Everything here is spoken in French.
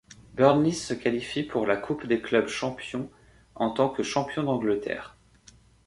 Burnley se qualifie pour la coupe des clubs champions en tant que champion d'Angleterre.